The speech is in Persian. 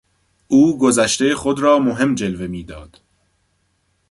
او گذشتهی خود را مهم جلوه میداد.